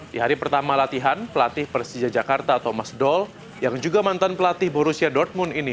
di hari pertama latihan pelatih persija jakarta thomas doll yang juga mantan pelatih borussia dortmund ini